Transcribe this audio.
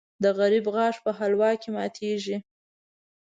د غریب غاښ په حلوا کې ماتېږي .